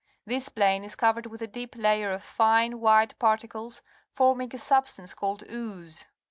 This plain is coxt'it'd with a deep layer of fine, white particles, forming a substance called ooze.